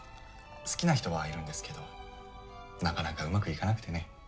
好きな人はいるんですけどなかなかうまくいかなくてね。